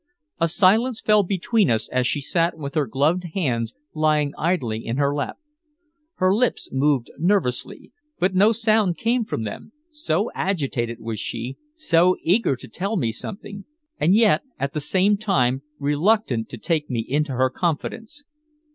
A silence fell between us as she sat with her gloved hands lying idly in her lap. Her lips moved nervously, but no sound came from them, so agitated was she, so eager to tell me something; and yet at the same time reluctant to take me into her confidence.